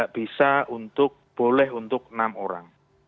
bisa untuk boleh untuk enam orang